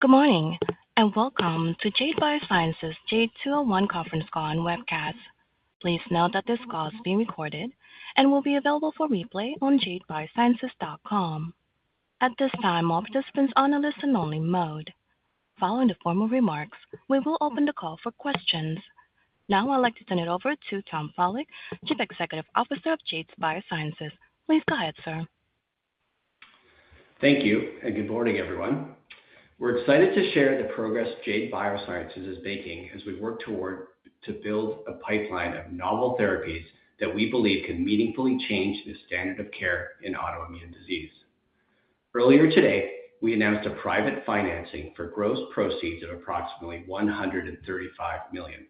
Good morning and welcome to Jade Biosciences' JADE201 Conference Call and Webcast. Please note that this call is being recorded and will be available for replay on jadebiosciences.com. At this time, all participants are on a listen-only mode. Following the formal remarks, we will open the call for questions. Now, I'd like to turn it over to Tom Frohlich, Chief Executive Officer of Jade Biosciences. Please go ahead, sir. Thank you and good morning, everyone. We're excited to share the progress Jade Biosciences is making as we work toward building a pipeline of novel therapies that we believe can meaningfully change the standard of care in autoimmune disease. Earlier today, we announced private financing for gross proceeds of approximately $135 million.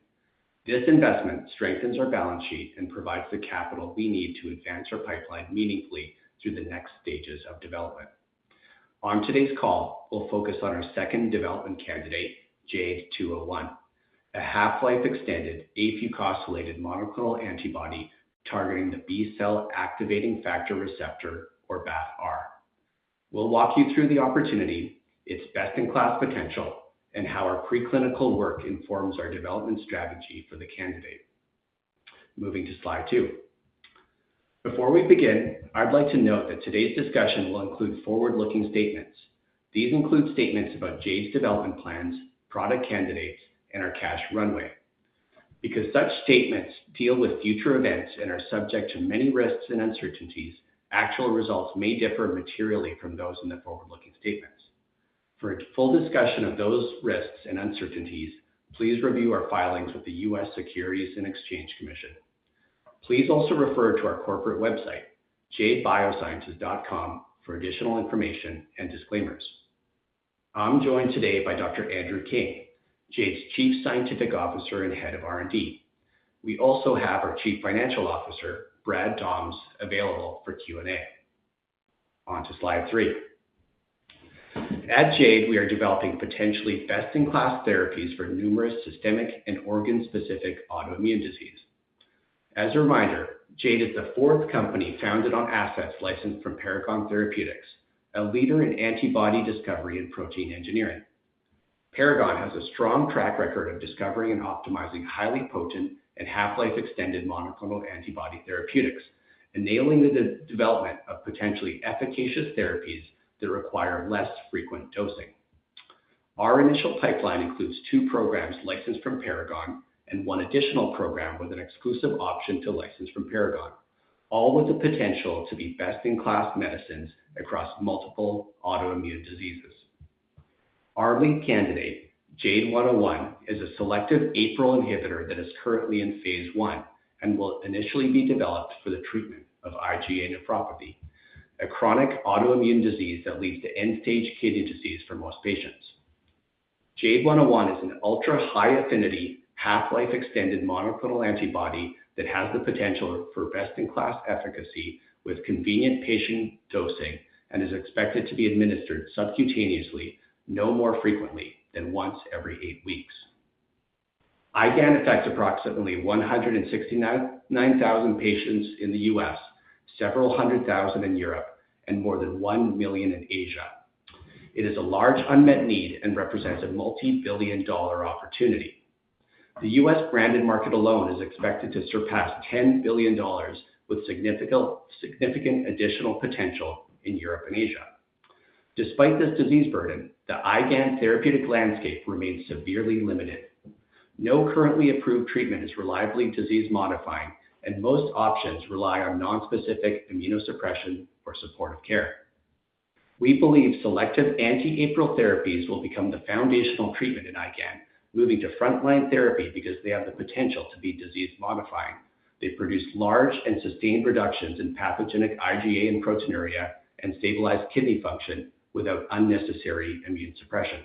This investment strengthens our balance sheet and provides the capital we need to advance our pipeline meaningfully through the next stages of development. On today's call, we'll focus on our second development candidate, JADE201, a half-life-extended afucosylated monoclonal antibody targeting the B-cell activating factor receptor, or BAFF-R. We'll walk you through the opportunity, its best-in-class potential, and how our preclinical work informs our development strategy for the candidate. Moving to slide two. Before we begin, I'd like to note that today's discussion will include forward-looking statements. These include statements about Jade's development plans, product candidates, and our cash runway. Because such statements deal with future events and are subject to many risks and uncertainties, actual results may differ materially from those in the forward-looking statements. For a full discussion of those risks and uncertainties, please review our filings with the U.S. Securities and Exchange Commission. Please also refer to our corporate website, jadebiosciences.com, for additional information and disclaimers. I'm joined today by Dr. Andrew King, Jade's Chief Scientific Officer and Head of R&D. We also have our Chief Financial Officer, Brad Toms, available for Q&A. Onto slide three. At Jade, we are developing potentially best-in-class therapies for numerous systemic and organ-specific autoimmune diseases. As a reminder, Jade is the fourth company founded on assets licensed from Paragon Therapeutics, a leader in antibody discovery and protein engineering. Paragon has a strong track record of discovering and optimizing highly potent and half-life-extended monoclonal antibody therapeutics, enabling the development of potentially efficacious therapies that require less frequent dosing. Our initial pipeline includes two programs licensed from Paragon and one additional program with an exclusive option to license from Paragon, all with the potential to be best-in-class medicines across multiple autoimmune diseases. Our lead candidate, JADE101, is a selective APRIL inhibitor that is currently in phase I and will initially be developed for the treatment of IgA nephropathy, a chronic autoimmune disease that leads to end-stage kidney disease for most patients. JADE101 is an ultra-high affinity half-life-extended monoclonal antibody that has the potential for best-in-class efficacy with convenient patient dosing and is expected to be administered subcutaneously, no more frequently than once every eight weeks. IgAN affects approximately 169,000 patients in the U.S., several hundred thousand in Europe, and more than one million in Asia. It is a large unmet need and represents a multi-billion dollar opportunity. The U.S. branded market alone is expected to surpass $10 billion, with significant additional potential in Europe and Asia. Despite this disease burden, the IgAN therapeutic landscape remains severely limited. No currently approved treatment is reliably disease-modifying, and most options rely on nonspecific immunosuppression for supportive care. We believe selective anti-APRIL therapies will become the foundational treatment in IgAN, moving to frontline therapy because they have the potential to be disease-modifying. They produce large and sustained reductions in pathogenic IgA and proteinuria and stabilize kidney function without unnecessary immune suppression.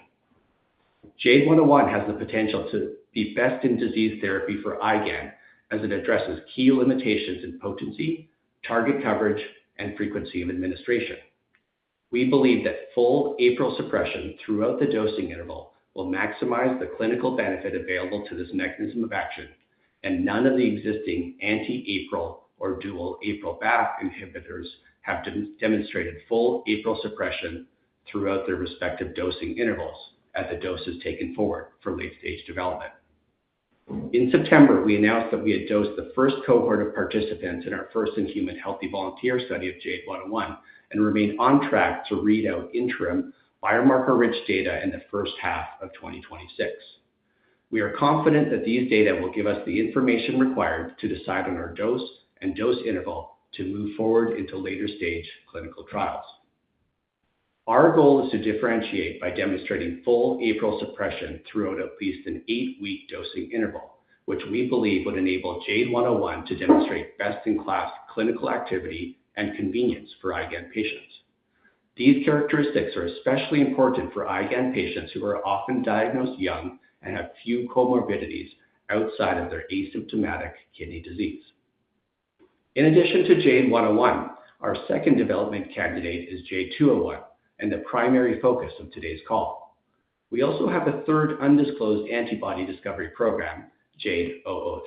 JADE101 has the potential to be best in disease therapy for IgAN as it addresses key limitations in potency, target coverage, and frequency of administration. We believe that full APRIL suppression throughout the dosing interval will maximize the clinical benefit available to this mechanism of action, and none of the existing anti-APRIL or dual-APRIL BAFF inhibitors have demonstrated full APRIL suppression throughout their respective dosing intervals as the dose is taken forward for late-stage development. In September, we announced that we had dosed the first cohort of participants in our first-in-human healthy volunteer study of JADE101 and remain on track to read out interim biomarker-rich data in the first half of 2026. We are confident that these data will give us the information required to decide on our dose and dose interval to move forward into later-stage clinical trials. Our goal is to differentiate by demonstrating full APRIL suppression throughout at least an eight-week dosing interval, which we believe would enable JADE101 to demonstrate best-in-class clinical activity and convenience for IgAN patients. These characteristics are especially important for IgAN patients who are often diagnosed young and have few comorbidities outside of their asymptomatic kidney disease. In addition to JADE101, our second development candidate is JADE201 and the primary focus of today's call. We also have a third undisclosed antibody discovery program, JADE-003.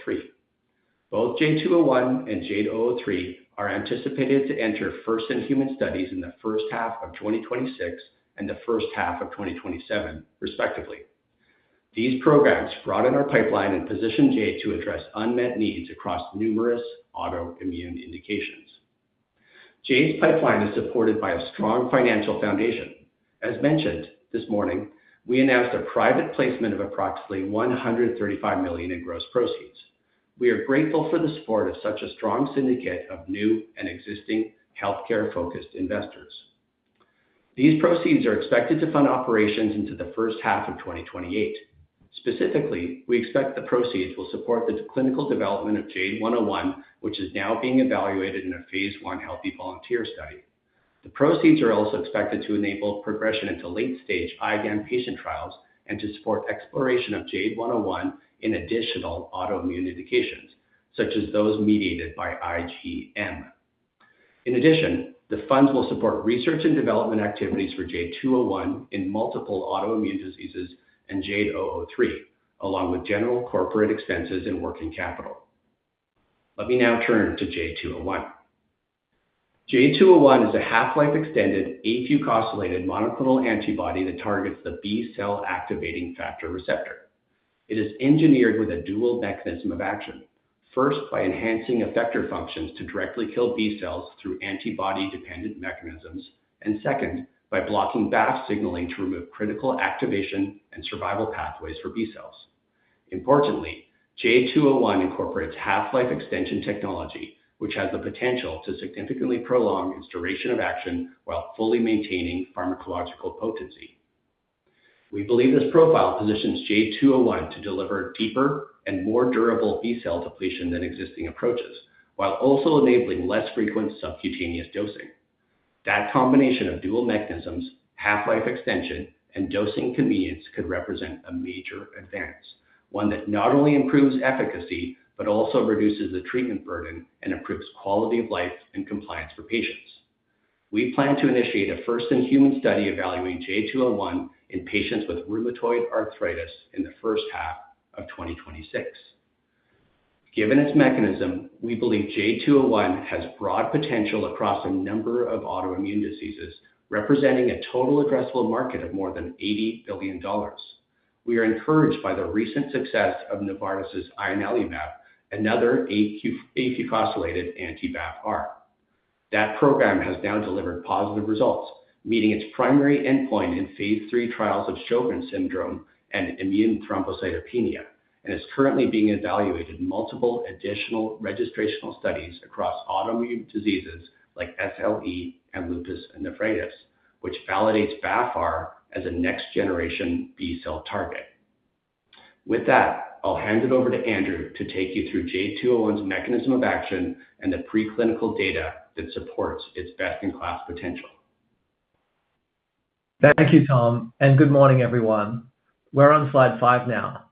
Both JADE201 and JADE-003 are anticipated to enter first-in-human studies in the first half of 2026 and the first half of 2027, respectively. These programs broaden our pipeline and position Jade to address unmet needs across numerous autoimmune indications. Jade's pipeline is supported by a strong financial foundation. As mentioned this morning, we announced a private placement of approximately $135 million in gross proceeds. We are grateful for the support of such a strong syndicate of new and existing healthcare-focused investors. These proceeds are expected to fund operations into the first half of 2028. Specifically, we expect the proceeds will support the clinical development of JADE101, which is now being evaluated in a phase I healthy volunteer study. The proceeds are also expected to enable progression into late-stage IgAN patient trials and to support exploration of JADE101 in additional autoimmune indications, such as those mediated by IgM. In addition, the funds will support research and development activities for JADE201 in multiple autoimmune diseases and JADE-003, along with general corporate expenses and working capital. Let me now turn to JADE201. JADE201 is a half-life-extended afucosylated monoclonal antibody that targets the B-cell activating factor receptor. It is engineered with a dual mechanism of action: first, by enhancing effector functions to directly kill B-cells through antibody-dependent mechanisms, and second, by blocking BAFF signaling to remove critical activation and survival pathways for B-cells. Importantly, JADE201 incorporates half-life extension technology, which has the potential to significantly prolong its duration of action while fully maintaining pharmacological potency. We believe this profile positions JADE201 to deliver deeper and more durable B-cell depletion than existing approaches, while also enabling less frequent subcutaneous dosing. That combination of dual mechanisms, half-life extension, and dosing convenience could represent a major advance, one that not only improves efficacy but also reduces the treatment burden and improves quality of life and compliance for patients. We plan to initiate a first-in-human study evaluating JADE201 in patients with rheumatoid arthritis in the first half of 2026. Given its mechanism, we believe JADE201 has broad potential across a number of autoimmune diseases, representing a total addressable market of more than $80 billion. We are encouraged by the recent success of Novartis' ianalumab, another afucosylated anti-BAFF-R. That program has now delivered positive results, meeting its primary endpoint in phase III trials of Sjögren's syndrome and immune thrombocytopenia, and is currently being evaluated in multiple additional registrational studies across autoimmune diseases like SLE and lupus nephritis, which validates BAFF-R as a next-generation B-cell target. With that, I'll hand it over to Andrew to take you through JADE201's mechanism of action and the preclinical data that supports its best-in-class potential. Thank you, Tom, and good morning, everyone. We're on slide five now.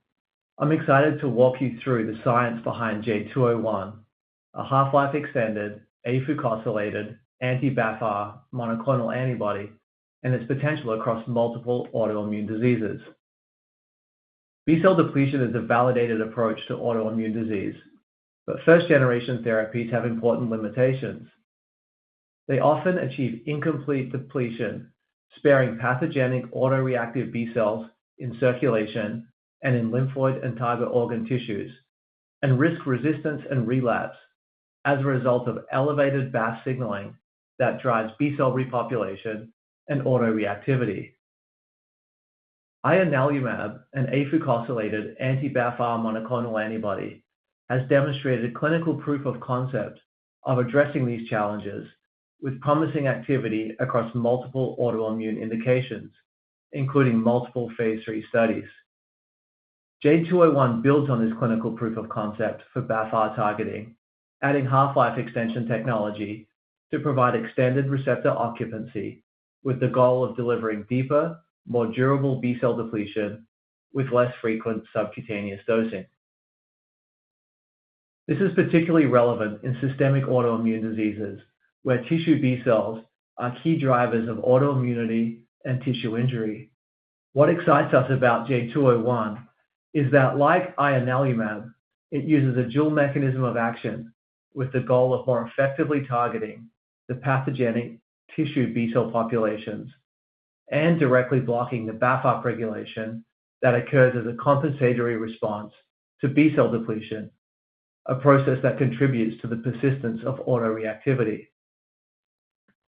I'm excited to walk you through the science behind JADE201, a half-life-extended afucosylated anti-BAFF-R monoclonal antibody and its potential across multiple autoimmune diseases. B-cell depletion is a validated approach to autoimmune disease, but first-generation therapies have important limitations. They often achieve incomplete depletion, sparing pathogenic autoreactive B-cells in circulation and in lymphoid and target organ tissues, and risk resistance and relapse as a result of elevated BAFF signaling that drives B-cell repopulation and autoreactivity. Ianalumab, an afucosylated anti-BAFF-R monoclonal antibody, has demonstrated clinical proof of concept of addressing these challenges with promising activity across multiple autoimmune indications, including multiple phase III studies. JADE201 builds on this clinical proof of concept for BAFF-R targeting, adding half-life extension technology to provide extended receptor occupancy, with the goal of delivering deeper, more durable B-cell depletion with less frequent subcutaneous dosing. This is particularly relevant in systemic autoimmune diseases, where tissue B-cells are key drivers of autoimmunity and tissue injury. What excites us about JADE201 is that, like ianalumab, it uses a dual mechanism of action with the goal of more effectively targeting the pathogenic tissue B-cell populations and directly blocking the BAFF-R upregulation that occurs as a compensatory response to B-cell depletion, a process that contributes to the persistence of autoreactivity.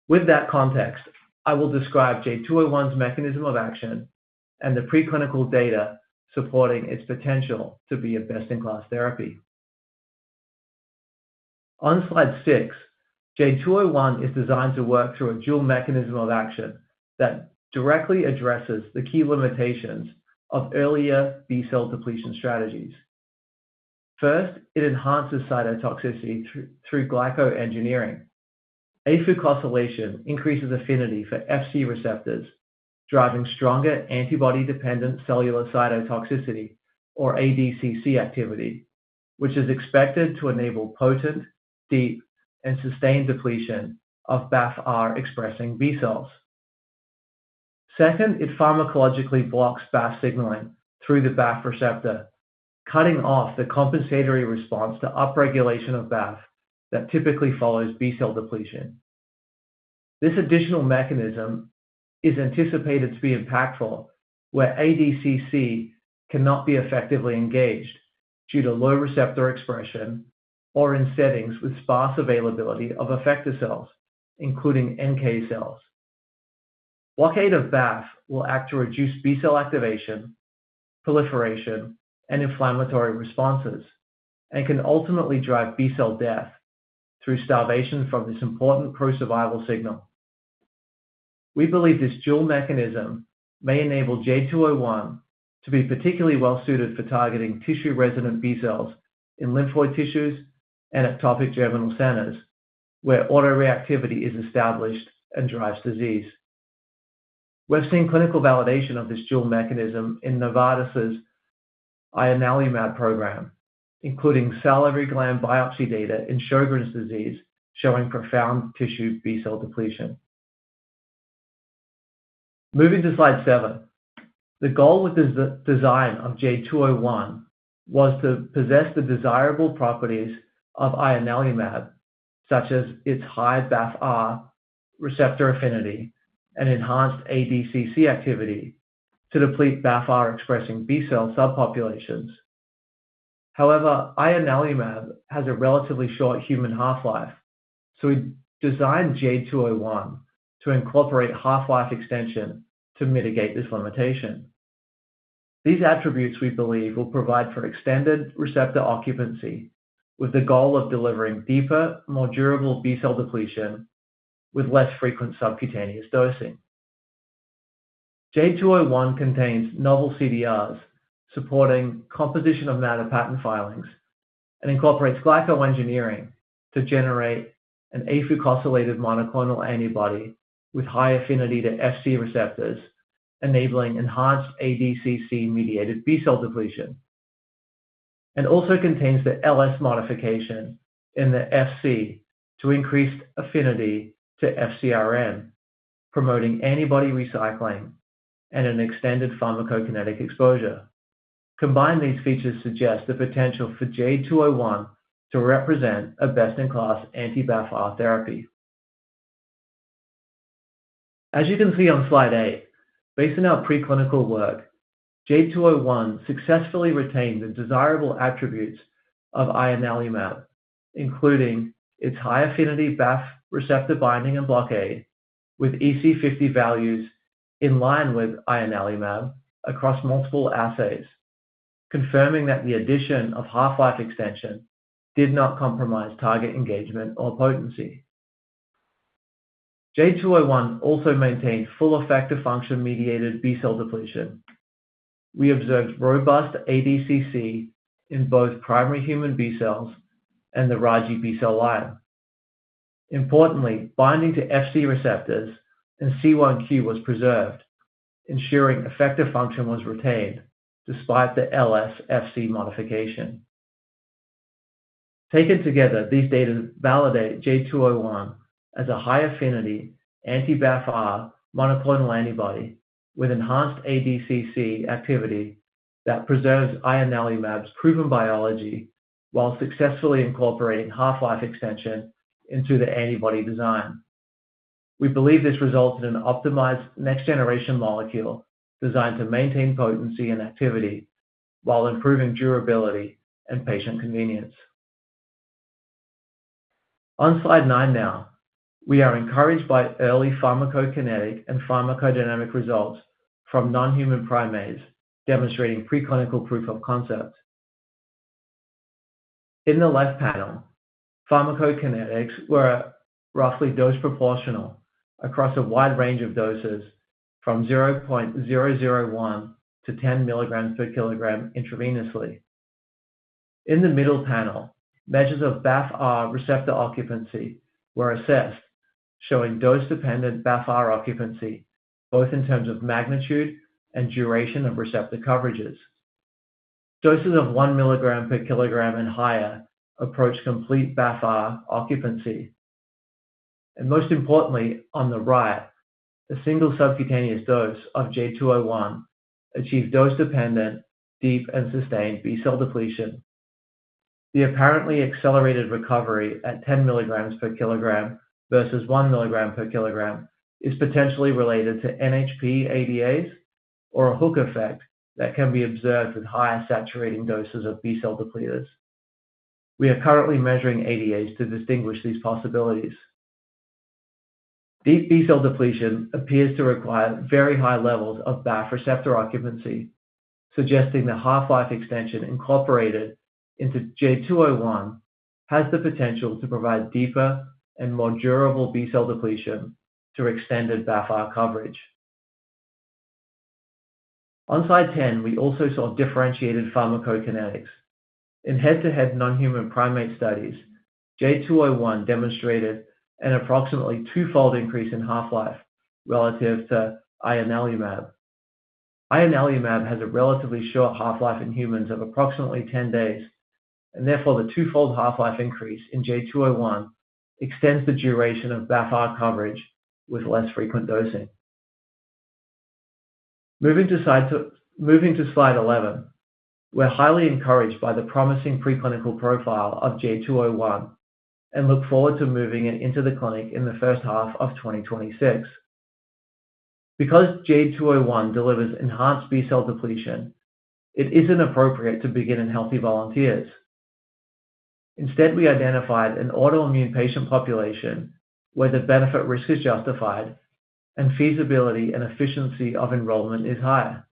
With that context, I will describe JADE201's mechanism of action and the preclinical data supporting its potential to be a best-in-class therapy. On slide six, JADE201 is designed to work through a dual mechanism of action that directly addresses the key limitations of earlier B-cell depletion strategies. First, it enhances cytotoxicity through glycoengineering. Afucosylation increases affinity for Fc receptors, driving stronger antibody-dependent cellular cytotoxicity, or ADCC activity, which is expected to enable potent, deep, and sustained depletion of BAFF-R-expressing B-cells. Second, it pharmacologically blocks BAFF signaling through the BAFF receptor, cutting off the compensatory response to upregulation of BAFF that typically follows B-cell depletion. This additional mechanism is anticipated to be impactful where ADCC cannot be effectively engaged due to low receptor expression or in settings with sparse availability of effector cells, including NK cells. Blockade of BAFF will act to reduce B-cell activation, proliferation, and inflammatory responses, and can ultimately drive B-cell death through starvation from this important pro-survival signal. We believe this dual mechanism may enable JADE201 to be particularly well-suited for targeting tissue-resident B-cells in lymphoid tissues and ectopic germinal centers, where autoreactivity is established and drives disease. We've seen clinical validation of this dual mechanism in Novartis' ianalumab program, including salivary gland biopsy data in Sjögren's disease showing profound tissue B-cell depletion. Moving to slide seven, the goal with the design of JADE201 was to possess the desirable properties of ianalumab, such as its high BAFF-R receptor affinity and enhanced ADCC activity, to deplete BAFF-R-expressing B-cell subpopulations. However, ianalumab has a relatively short human half-life, so we designed JADE201 to incorporate half-life extension to mitigate this limitation. These attributes we believe will provide for extended receptor occupancy, with the goal of delivering deeper, more durable B-cell depletion with less frequent subcutaneous dosing. JADE201 contains novel CDRs supporting composition of matter patent filings and incorporates glycoengineering to generate an afucosylated monoclonal antibody with high affinity to Fc receptors, enabling enhanced ADCC-mediated B-cell depletion. It also contains the LS modification in the Fc to increased affinity to FcRn, promoting antibody recycling and an extended pharmacokinetic exposure. Combined, these features suggest the potential for JADE201 to represent a best-in-class anti-BAFF-R therapy. As you can see on slide eight, based on our preclinical work, JADE201 successfully retained the desirable attributes of ianalumab, including its high affinity BAFF receptor binding and blockade, with EC50 values in line with ianalumab across multiple assays, confirming that the addition of half-life extension did not compromise target engagement or potency. JADE201 also maintained full effector function-mediated B-cell depletion. We observed robust ADCC in both primary human B-cells and the Raji B-cell line. Importantly, binding to Fc receptors and C1q was preserved, ensuring effector function was retained despite the LS Fc modification. Taken together, these data validate JADE201 as a high affinity anti-BAFF-R monoclonal antibody with enhanced ADCC activity that preserves ianalumab's proven biology while successfully incorporating half-life extension into the antibody design. We believe this results in an optimized next-generation molecule designed to maintain potency and activity while improving durability and patient convenience. On slide nine now, we are encouraged by early pharmacokinetic and pharmacodynamic results from non-human primates demonstrating preclinical proof of concept. In the left panel, pharmacokinetics were roughly dose proportional across a wide range of doses from 0.001 to 10 milligrams per kilogram intravenously. In the middle panel, measures of BAFF--R receptor occupancy were assessed, showing dose-dependent BAFF-R occupancy both in terms of magnitude and duration of receptor coverages. Doses of one milligram per kilogram and higher approach complete BAFF-R occupancy, and most importantly, on the right, the single subcutaneous dose of JADE201 achieved dose-dependent, deep, and sustained B-cell depletion. The apparently accelerated recovery at 10 milligrams per kilogram versus one milligram per kilogram is potentially related to NHP ADAs or a hook effect that can be observed with higher saturating doses of B-cell depleters. We are currently measuring ADAs to distinguish these possibilities. Deep B-cell depletion appears to require very high levels of BAFF receptor occupancy, suggesting the half-life extension incorporated into JADE201 has the potential to provide deeper and more durable B-cell depletion through extended BAFF-R coverage. On slide 10, we also saw differentiated pharmacokinetics. In head-to-head non-human primate studies, JADE201 demonstrated an approximately twofold increase in half-life relative to ianalumab. Ianalumab has a relatively short half-life in humans of approximately 10 days, and therefore the twofold half-life increase in JADE201 extends the duration of BAFF-R coverage with less frequent dosing. Moving to slide 11, we're highly encouraged by the promising preclinical profile of JADE201 and look forward to moving it into the clinic in the first half of 2026. Because JADE201 delivers enhanced B-cell depletion, it isn't appropriate to begin in healthy volunteers. Instead, we identified an autoimmune patient population where the benefit-risk is justified and feasibility and efficiency of enrollment is higher.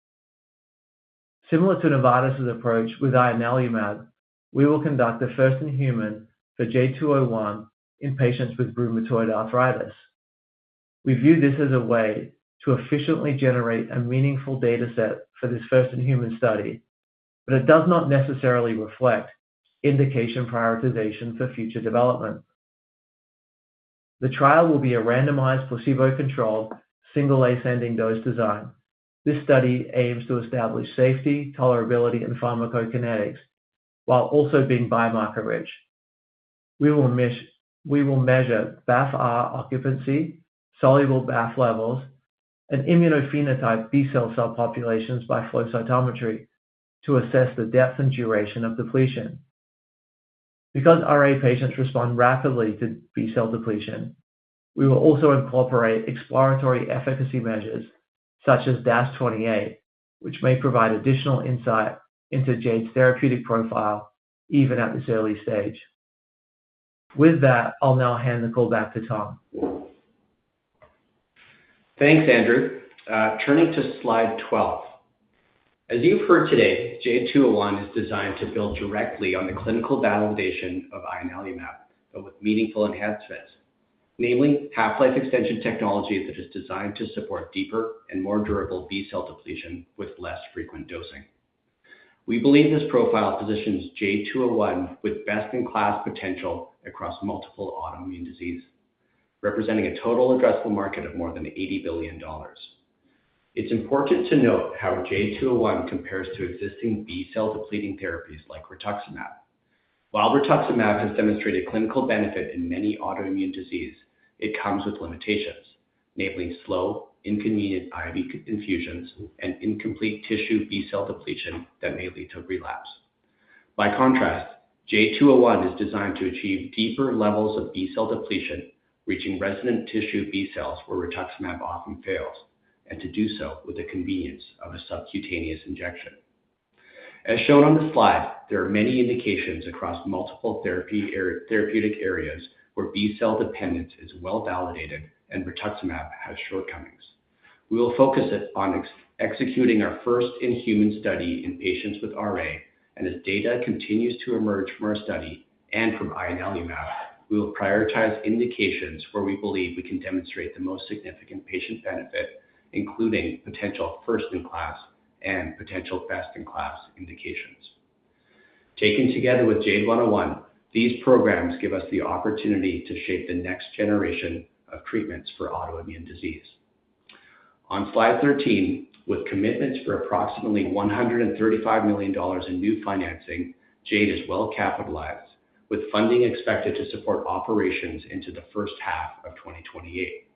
Similar to Novartis' approach with ianalumab, we will conduct a first-in-human for JADE201 in patients with rheumatoid arthritis. We view this as a way to efficiently generate a meaningful data set for this first-in-human study, but it does not necessarily reflect indication prioritization for future development. The trial will be a randomized placebo-controlled single-ascending dose design. This study aims to establish safety, tolerability, and pharmacokinetics while also being biomarker-rich. We will measure BAFF-R occupancy, soluble BAFF levels, and immunophenotype B-cell subpopulations by flow cytometry to assess the depth and duration of depletion. Because RA patients respond rapidly to B-cell depletion, we will also incorporate exploratory efficacy measures such as DAS-28, which may provide additional insight into Jade's therapeutic profile even at this early stage. With that, I'll now hand the call back to Tom. Thanks, Andrew. Turning to slide 12. As you've heard today, JADE201 is designed to build directly on the clinical validation of ianalumab, but with meaningful enhancements, namely half-life extension technology that is designed to support deeper and more durable B-cell depletion with less frequent dosing. We believe this profile positions JADE201 with best-in-class potential across multiple autoimmune diseases, representing a total addressable market of more than $80 billion. It's important to note how JADE201 compares to existing B-cell depleting therapies like rituximab. While rituximab has demonstrated clinical benefit in many autoimmune diseases, it comes with limitations, namely slow, inconvenient IV infusions and incomplete tissue B-cell depletion that may lead to relapse. By contrast, JADE201 is designed to achieve deeper levels of B-cell depletion, reaching resident tissue B-cells where rituximab often fails, and to do so with the convenience of a subcutaneous injection. As shown on the slide, there are many indications across multiple therapeutic areas where B-cell dependence is well validated and rituximab has shortcomings. We will focus on executing our first-in-human study in patients with RA, and as data continues to emerge from our study and from ianalumab, we will prioritize indications where we believe we can demonstrate the most significant patient benefit, including potential first-in-class and potential best-in-class indications. Taken together with JADE101, these programs give us the opportunity to shape the next generation of treatments for autoimmune disease. On slide 13, with commitments for approximately $135 million in new financing, Jade is well capitalized, with funding expected to support operations into the first half of 2028.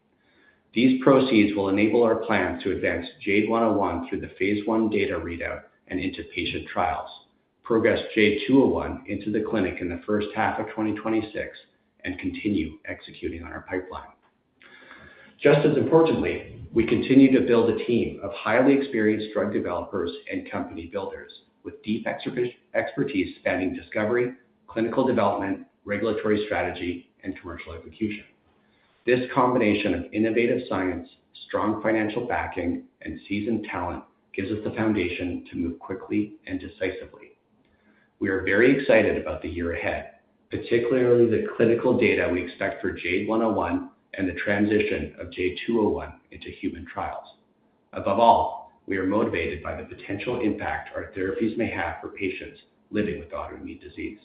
These proceeds will enable our plan to advance JADE101 through the phase I data readout and into patient trials, progress JADE201 into the clinic in the first half of 2026, and continue executing on our pipeline. Just as importantly, we continue to build a team of highly experienced drug developers and company builders with deep expertise spanning discovery, clinical development, regulatory strategy, and commercial execution. This combination of innovative science, strong financial backing, and seasoned talent gives us the foundation to move quickly and decisively. We are very excited about the year ahead, particularly the clinical data we expect for JADE101 and the transition of JADE201 into human trials. Above all, we are motivated by the potential impact our therapies may have for patients living with autoimmune disease.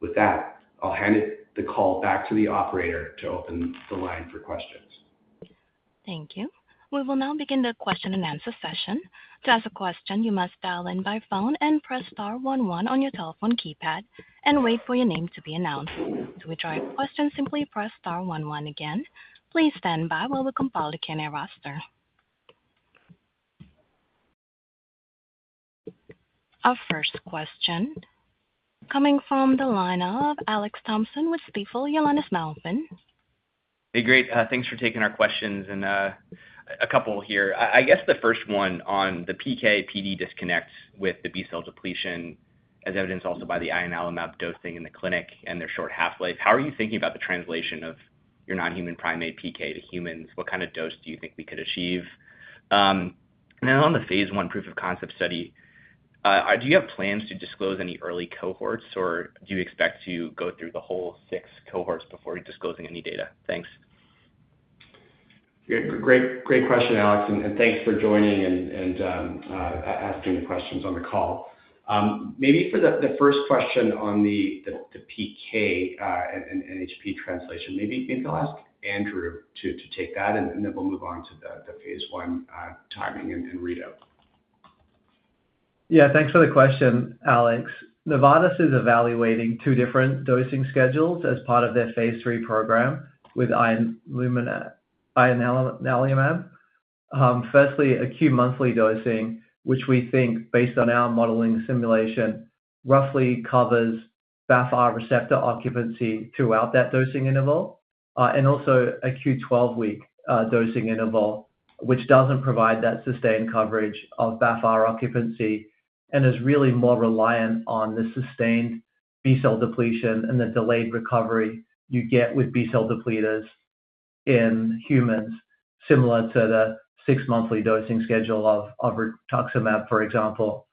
With that, I'll hand the call back to the operator to open the line for questions. Thank you. We will now begin the question and answer session. To ask a question, you must dial in by phone and press star 11 on your telephone keypad and wait for your name to be announced. To withdraw your question, simply press star 11 again. Please stand by while we compile the Q&A roster. Our first question coming from the line of Alex Thompson with Stifel. Hey, great. Thanks for taking our questions. And a couple here. I guess the first one on the PK/PD disconnect with the B-cell depletion, as evidenced also by the ianalumab dosing in the clinic and their short half-life, how are you thinking about the translation of your non-human primate PK to humans? What kind of dose do you think we could achieve? And then on the phase I proof of concept study, do you have plans to disclose any early cohorts, or do you expect to go through the whole six cohorts before disclosing any data? Thanks. Yeah, great question, Alex. And thanks for joining and asking the questions on the call. Maybe for the first question on the PK and NHP translation, maybe I'll ask Andrew to take that, and then we'll move on to the phase I timing and readout. Yeah, thanks for the question, Alex. Novartis is evaluating two different dosing schedules as part of their phase III program with ianalumab. Firstly, Q monthly dosing, which we think, based on our modeling simulation, roughly covers BAFF-R receptor occupancy throughout that dosing interval, and also Q 12-week dosing interval, which doesn't provide that sustained coverage of BAFF-R occupancy and is really more reliant on the sustained B-cell depletion and the delayed recovery you get with B-cell depleters in humans, similar to the six-monthly dosing schedule of rituximab, for example.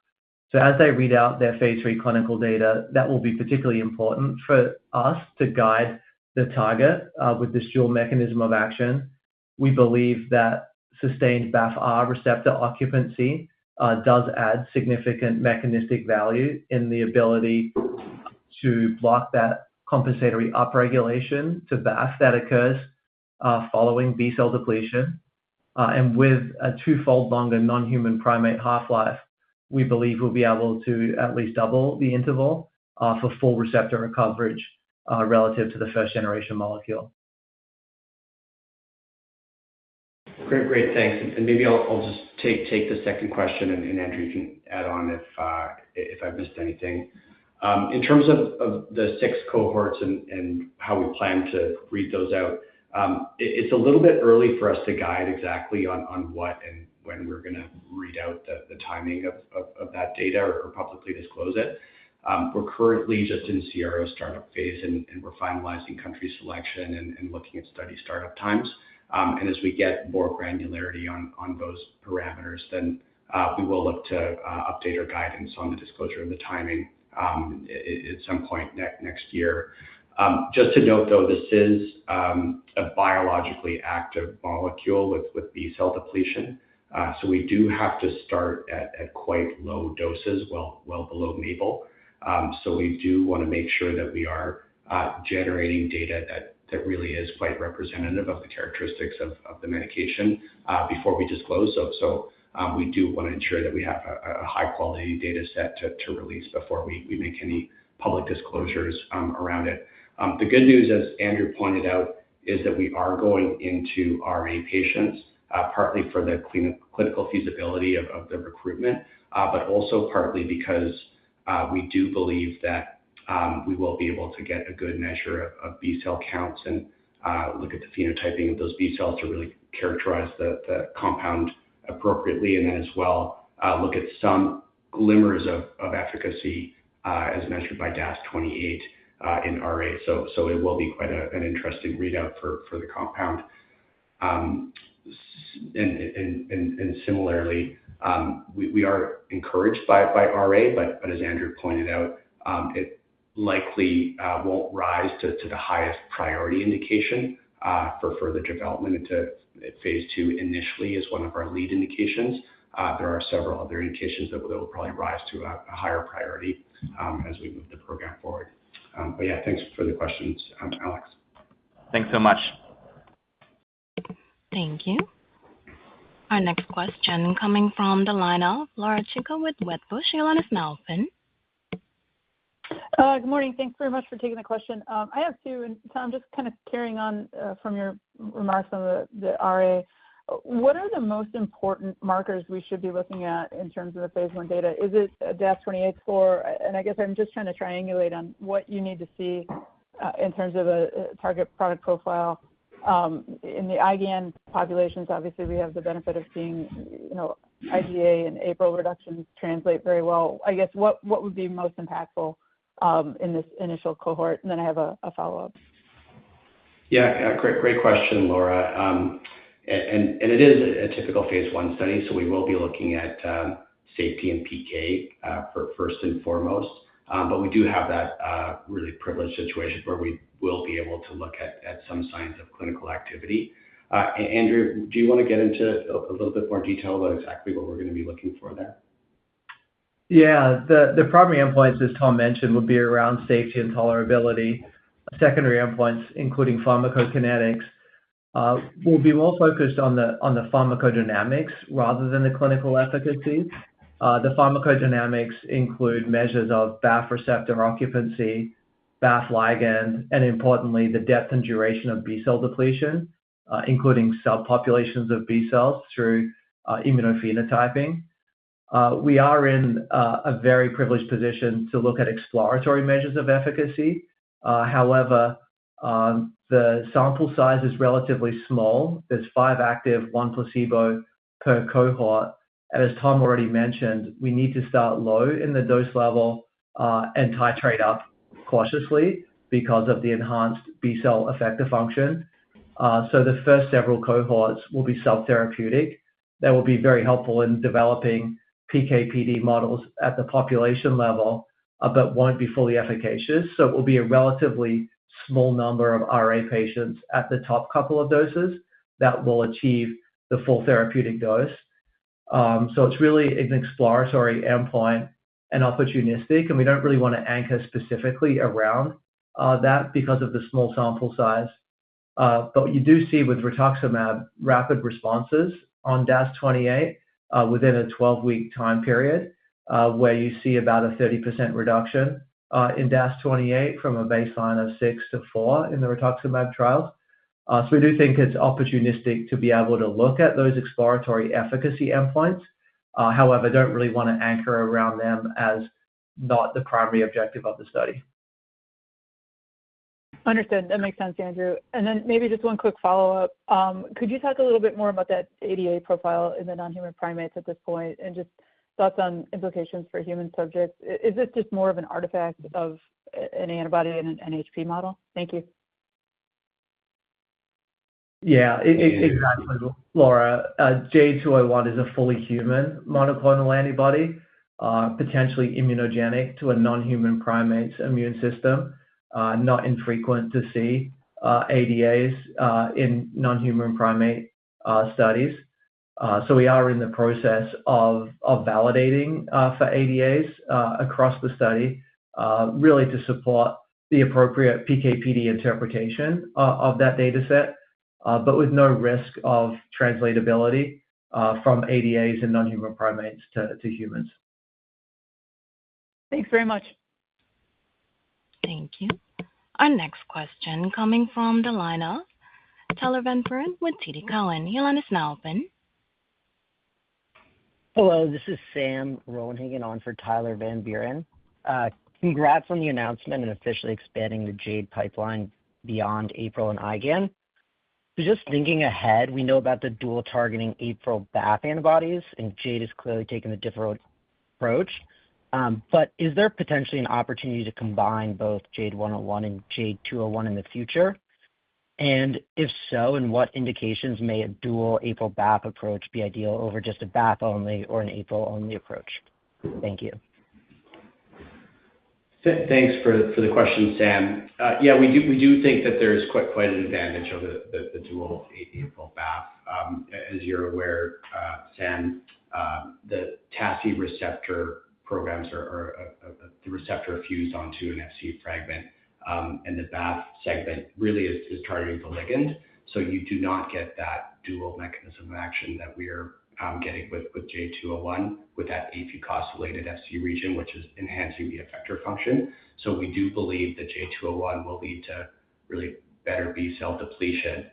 So as they read out their phase III clinical data, that will be particularly important for us to guide the target with this dual mechanism of action. We believe that sustained BAFF-R receptor occupancy does add significant mechanistic value in the ability to block that compensatory upregulation to BAFF that occurs following B-cell depletion. And with a twofold longer non-human primate half-life, we believe we'll be able to at least double the interval for full receptor coverage relative to the first-generation molecule. Great, great. Thanks. And maybe I'll just take the second question, and Andrew can add on if I've missed anything. In terms of the six cohorts and how we plan to read those out, it's a little bit early for us to guide exactly on what and when we're going to read out the timing of that data or publicly disclose it. We're currently just in CRO startup phase, and we're finalizing country selection and looking at study startup times. And as we get more granularity on those parameters, then we will look to update our guidance on the disclosure of the timing at some point next year. Just to note, though, this is a biologically active molecule with B-cell depletion. So we do have to start at quite low doses, well below MABEL. So we do want to make sure that we are generating data that really is quite representative of the characteristics of the medication before we disclose. So we do want to ensure that we have a high-quality data set to release before we make any public disclosures around it. The good news, as Andrew pointed out, is that we are going into RA patients partly for the clinical feasibility of the recruitment, but also partly because we do believe that we will be able to get a good measure of B-cell counts and look at the phenotyping of those B-cells to really characterize the compound appropriately and then as well look at some glimmers of efficacy as measured by DAS-28 in RA. So it will be quite an interesting readout for the compound. And similarly, we are encouraged by RA, but as Andrew pointed out, it likely won't rise to the highest priority indication for further development into phase II initially as one of our lead indications. There are several other indications that will probably rise to a higher priority as we move the program forward. But yeah, thanks for the questions, Alex. Thanks so much. Thank you. Our next question coming from the line of Laura Chico with Wedbush. Your line is now open. Good morning. Thanks very much for taking the question. I have two. And Tom, just kind of carrying on from your remarks on the RA, what are the most important markers we should be looking at in terms of the phase I data? Is it a DAS-28 score? And I guess I'm just trying to triangulate on what you need to see in terms of a target product profile. In the IgM populations, obviously, we have the benefit of seeing IgA and APOL reductions translate very well. I guess what would be most impactful in this initial cohort? And then I have a follow-up. Yeah, great question, Laura. And it is a typical phase 1 study, so we will be looking at safety and PK first and foremost. But we do have that really privileged situation where we will be able to look at some signs of clinical activity. Andrew, do you want to get into a little bit more detail about exactly what we're going to be looking for there? Yeah. The primary endpoints, as Tom mentioned, would be around safety and tolerability. Secondary endpoints, including pharmacokinetics, will be more focused on the pharmacodynamics rather than the clinical efficacy. The pharmacodynamics include measures of BAFF receptor occupancy, BAFF ligand, and importantly, the depth and duration of B-cell depletion, including subpopulations of B-cells through immunophenotyping. We are in a very privileged position to look at exploratory measures of efficacy. However, the sample size is relatively small. There's five active, one placebo per cohort. And as Tom already mentioned, we need to start low in the dose level and titrate up cautiously because of the enhanced B-cell effector function. So the first several cohorts will be sub-therapeutic. That will be very helpful in developing PK/PD models at the population level, but won't be fully efficacious. So it will be a relatively small number of RA patients at the top couple of doses that will achieve the full therapeutic dose. So it's really an exploratory endpoint and opportunistic. And we don't really want to anchor specifically around that because of the small sample size. But you do see with rituximab rapid responses on DAS-28 within a 12-week time period where you see about a 30% reduction in DAS-28 from a baseline of six to four in the rituximab trials. So we do think it's opportunistic to be able to look at those exploratory efficacy endpoints. However, I don't really want to anchor around them as not the primary objective of the study. Understood. That makes sense, Andrew. And then maybe just one quick follow-up. Could you talk a little bit more about that ADA profile in the non-human primates at this point and just thoughts on implications for human subjects? Is this just more of an artifact of an antibody in an NHP model? Thank you. Yeah, exactly, Laura. JADE201 is a fully human monoclonal antibody, potentially immunogenic to a non-human primate's immune system. Not infrequent to see ADAs in non-human primate studies. So we are in the process of validating for ADAs across the study, really to support the appropriate PK/PD interpretation of that data set, but with no risk of translatability from ADAs in non-human primates to humans. Thanks very much. Thank you. Our next question coming from the line of Tyler Van Buren with TD Cowen, Yolandis Melvin. Hello, this is Sam Rollenhagen on for Tyler Van Buren. Congrats on the announcement and officially expanding the Jade pipeline beyond APRIL and IgM. So just thinking ahead, we know about the dual-targeting APRIL BAFF antibodies, and Jade is clearly taking a different approach. But is there potentially an opportunity to combine both JADE101 and JADE201 in the future? And if so, in what indications may a dual APRIL BAFF approach be ideal over just a BAFF only or an APRIL only approach? Thank you. Thanks for the question, Sam. Yeah, we do think that there's quite an advantage over the dual APRIL BAFF. As you're aware, Sam, the TACI receptor programs are the receptor fused onto an Fc fragment, and the BAFF segment really is targeting the ligand. So you do not get that dual mechanism of action that we are getting with JADE201 with that afucosylated Fc region, which is enhancing the effector function. So we do believe that JADE201 will lead to really better B-cell depletion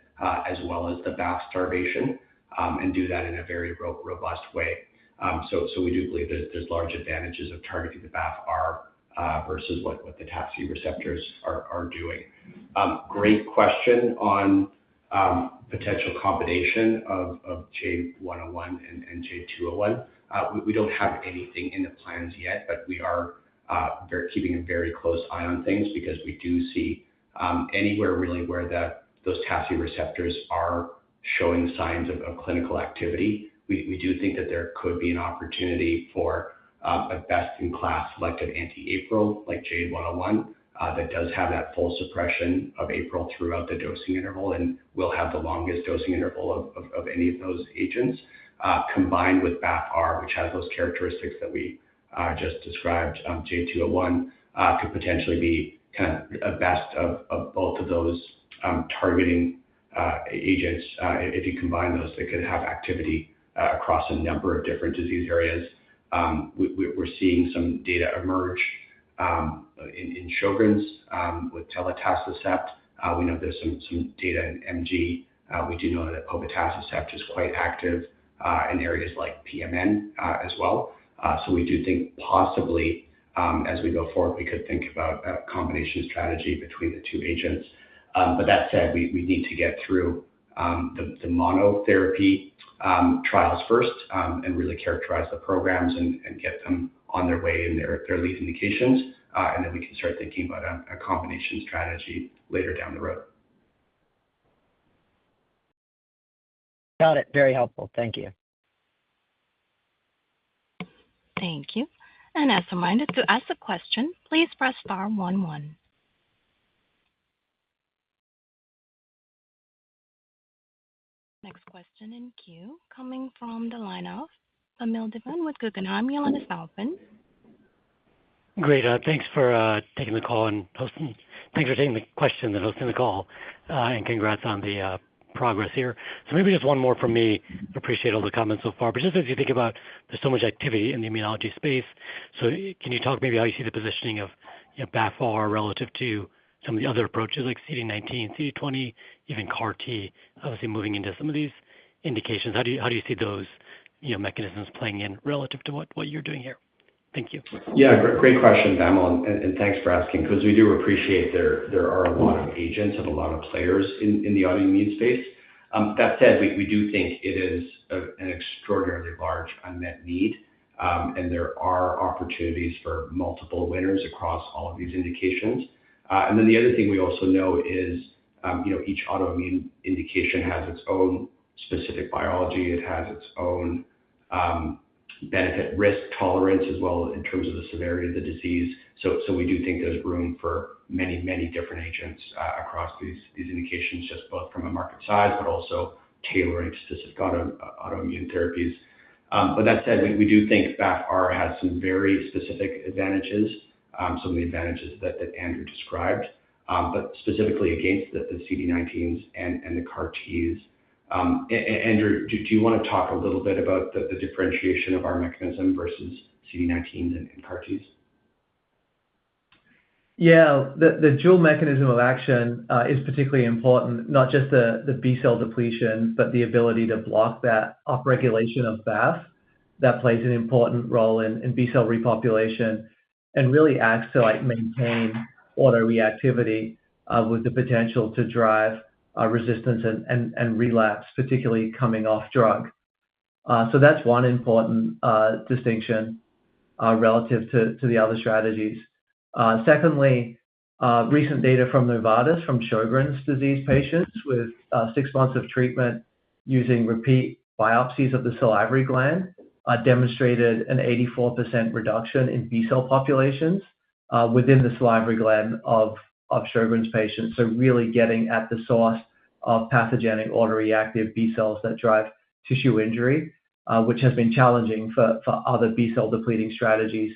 as well as the BAFF starvation and do that in a very robust way. So we do believe there's large advantages of targeting the BAFF-R versus what the TACI receptors are doing. Great question on potential combination of JADE101 and JADE201. We don't have anything in the plans yet, but we are keeping a very close eye on things because we don't see anywhere really where those TACI receptors are showing signs of clinical activity. We do think that there could be an opportunity for a best-in-class selective anti-APRIL like JADE101 that does have that full suppression of APRIL throughout the dosing interval and will have the longest dosing interval of any of those agents. Combined with BAFF-R, which has those characteristics that we just described, JADE201 could potentially be kind of a best of both of those targeting agents. If you combine those, they could have activity across a number of different disease areas. We're seeing some data emerge in Sjögren's with telitacicept. We know there's some data in MG. We do know that povetacicept is quite active in areas like pMN as well. So we do think possibly, as we go forward, we could think about a combination strategy between the two agents. But that said, we need to get through the monotherapy trials first and really characterize the programs and get them on their way in their lead indications. And then we can start thinking about a combination strategy later down the road. Got it. Very helpful. Thank you. Thank you. And as a reminder to ask a question, please press star 11. Next question in queue coming from the line of Vamil Divan with Guggenheim, Yolandis Melvin. Great. Thanks for taking the call and thanks for taking the question and hosting the call, and congrats on the progress here, so maybe just one more from me. Appreciate all the comments so far, but just as you think about, there's so much activity in the immunology space, so can you talk maybe how you see the positioning of BAFF-R relative to some of the other approaches like CD19, CD20, even CAR-T, obviously moving into some of these indications? How do you see those mechanisms playing in relative to what you're doing here? Thank you. Yeah, great question, Vamil. And thanks for asking because we do appreciate there are a lot of agents and a lot of players in the autoimmune space. That said, we do think it is an extraordinarily large unmet need, and there are opportunities for multiple winners across all of these indications. And then the other thing we also know is each autoimmune indication has its own specific biology. It has its own benefit-risk tolerance as well in terms of the severity of the disease. So we do think there's room for many, many different agents across these indications, just both from a market size, but also tailoring specific autoimmune therapies. But that said, we do think BAFF-R has some very specific advantages, some of the advantages that Andrew described, but specifically against the CD19s and the CAR-Ts. Andrew, do you want to talk a little bit about the differentiation of our mechanism versus CD19s and CAR-Ts? Yeah. The dual mechanism of action is particularly important, not just the B-cell depletion, but the ability to block that upregulation of BAFF that plays an important role in B-cell repopulation and really acts to maintain autoreactivity with the potential to drive resistance and relapse, particularly coming off drug. So that's one important distinction relative to the other strategies. Secondly, recent data from Novartis from Sjögren's disease patients with six months of treatment using repeat biopsies of the salivary gland demonstrated an 84% reduction in B-cell populations within the salivary gland of Sjögren's patients. So really getting at the source of pathogenic autoreactive B-cells that drive tissue injury, which has been challenging for other B-cell depleting strategies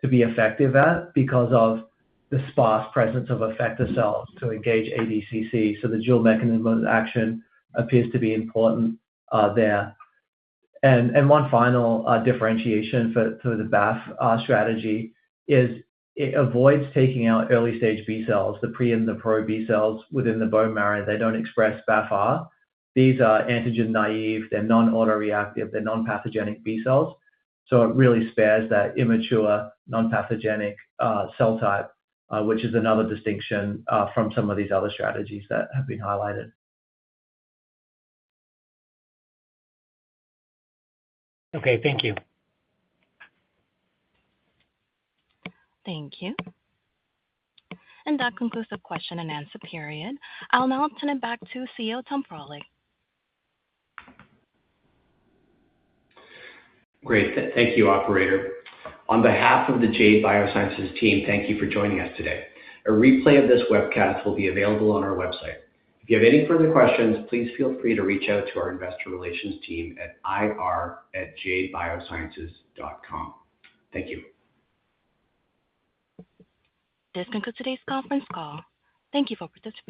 to be effective at because of the sparse presence of effector cells to engage ADCC. So the dual mechanism of action appears to be important there. And one final differentiation for the BAFF strategy is it avoids taking out early-stage B-cells, the pre and the pro B-cells within the bone marrow. They don't express BAFF-R. These are antigen-naive. They're non-autoreactive. They're non-pathogenic B-cells. So it really spares that immature non-pathogenic cell type, which is another distinction from some of these other strategies that have been highlighted. Okay, thank you. Thank you. And that concludes the question and answer period. I'll now turn it back to CEO Tom Frohlich. Great. Thank you, Operator. On behalf of the Jade Biosciences team, thank you for joining us today. A replay of this webcast will be available on our website. If you have any further questions, please feel free to reach out to our investor relations team at ir@jadebiosciences.com. Thank you. This concludes today's conference call. Thank you for participating.